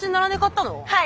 はい。